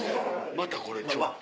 またこれちょっと。